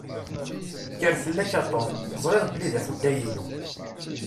Kker fell-ak a Tom! Teẓṛiḍ belli d afutay-inu.